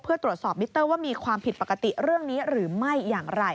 เพื่อตรวจสอบมิเตอร์ว่ามีความผิดปกติเรื่องนี้หรือไม่อย่างไร